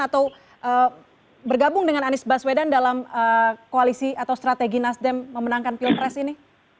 atau bergabung dengan anies paswedan dalam koalisi atau strategi nasdem memenangkan pil pres ini